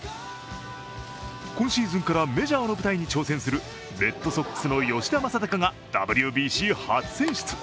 今シーズンからメジャーの舞台に挑戦するレッドソックスの吉田正尚がＷＢＣ初選出。